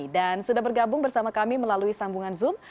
dan sudah bergabung bersama kami melalui sambungan zoom